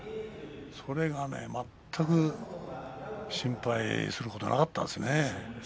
それが全く心配することがなかったですね。